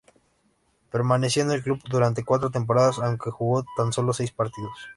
Permaneció en el club durante cuatro temporadas, aunque jugó tan sólo seis partidos.